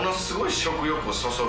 食欲をそそる。